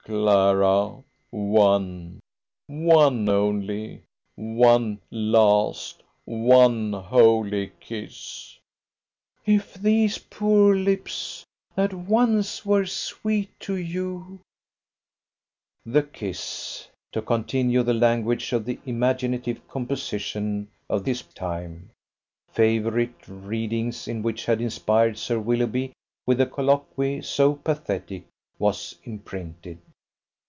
"Clara! one one only one last one holy kiss!" "If these poor lips, that once were sweet to you ..." The kiss, to continue the language of the imaginative composition of his time, favourite readings in which had inspired Sir Willoughby with a colloquy so pathetic, was imprinted.